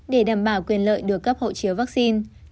để đảm bảo quyền lợi được cấp hộ chiếu vaccine